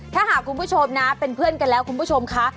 ถ้าหากคุณผู้ชมนะเป็นเพื่อนกันแล้วคุณผู้ชมค่ะ